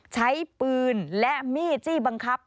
ใช้ปืนและมีดจี้บังคับ